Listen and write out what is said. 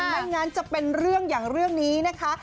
ไม่งั้นจะเป็นเรื่องอย่างเรื่องนี้นะคะ